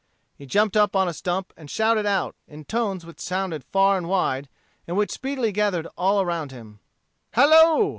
He jumped upon a stump and shouted out, in tones which sounded far and wide, and which speedily gathered all around him. "Hallo!